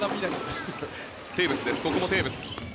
ここもテーブス。